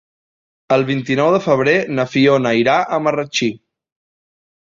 El vint-i-nou de febrer na Fiona irà a Marratxí.